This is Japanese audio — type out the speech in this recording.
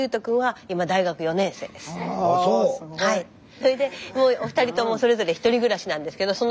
それでお二人ともそれぞれひとり暮らしなんですけど